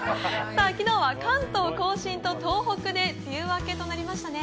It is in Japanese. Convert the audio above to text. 昨日は関東甲信と東北で梅雨明けとなりましたね。